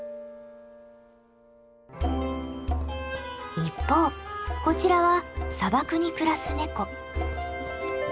一方こちらは砂漠に暮らすネコ。